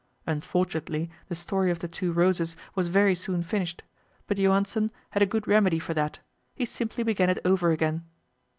Unfortunately the story of the Two Roses was very soon finished; but Johansen had a good remedy for that: he simply began it over again.